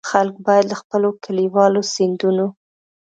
خلک باید له خپلو کلیوالو سیندونو.